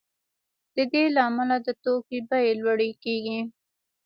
د دې له امله د توکو بیې لوړې کیږي